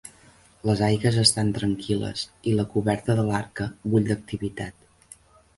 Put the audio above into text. Les aigües estan tranquil·les i la coberta de l'Arca bull d'activitat.